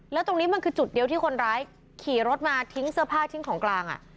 แล้วตรงนี้มันคือจุดเดียวที่คนร้ายขี่รถมาทิ้งเสื้อผ้าทิ้งของกลาง